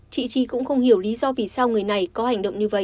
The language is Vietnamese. chị chi cũng không hiểu lý do vì sao người này có hành động như vậy